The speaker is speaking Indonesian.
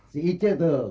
si ice tuh